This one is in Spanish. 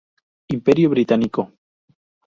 Imperio Británico.